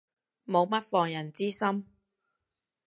冇乜防人之心